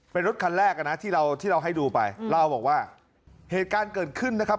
เป็นรถคันแรกอ่ะนะที่เราที่เราให้ดูไปเล่าบอกว่าเหตุการณ์เกิดขึ้นนะครับ